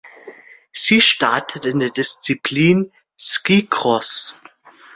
Sie startet in der Disziplin Skicross.